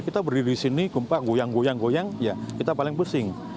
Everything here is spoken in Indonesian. kita berdiri di sini gempa goyang goyang goyang ya kita paling pusing